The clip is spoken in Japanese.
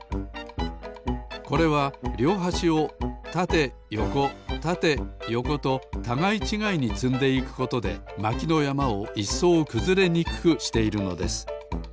これはりょうはしをたてよこたてよことたがいちがいにつんでいくことでまきのやまをいっそうくずれにくくしているのです。